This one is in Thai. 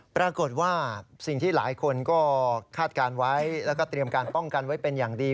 ปรากฏว่าสิ่งที่หลายคนก็คาดการณ์ไว้แล้วก็เตรียมการป้องกันไว้เป็นอย่างดี